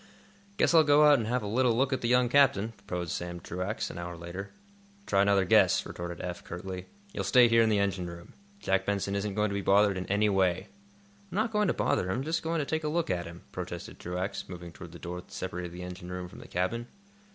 "Guess I'll go out and have a little look at the young captain," proposed Sam Truax, an hour later. "Try another guess," retorted Eph, curtly. "You'll stay here in the engine room. Jack Benson isn't going to be bothered in any way." "I'm not going to bother him; just going to take a look at him," protested Truax, moving toward the door that separated the engine room from the cabin.